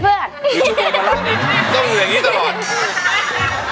ขาหนูหนีบไว้